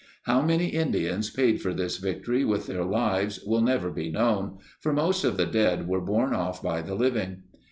How many Indians paid for this victory with their lives will never be known, for most of the dead were borne off by the living.